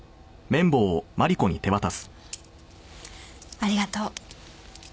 ありがとう。